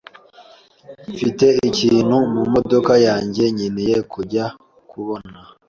Mfite ikintu mumodoka yanjye nkeneye kujya kubona.